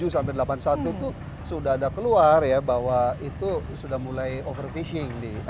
tujuh puluh tujuh sampai delapan puluh satu itu sudah ada keluar ya bahwa itu sudah mulai over fishing